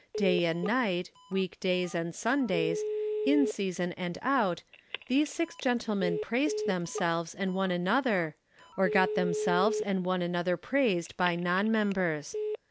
Day and night, week days and Sundays, in season and out, these six gentlemen praised themselves and one another, or got themselves and one another praised by non members.